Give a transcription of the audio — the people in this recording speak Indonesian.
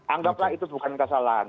anggaplah itu bukan kesalahan